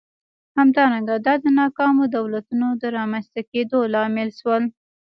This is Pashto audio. همدارنګه دا د ناکامو دولتونو د رامنځته کېدو لامل شول.